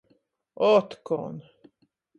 Otkon.